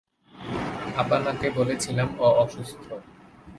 আপনাকে বলেছিলাম ও অসুস্থ।